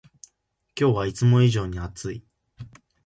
今日はいつも以上に暑い